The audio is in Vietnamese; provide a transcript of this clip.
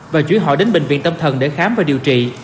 và chuyển họ đến bệnh viện tâm thần để khám và điều trị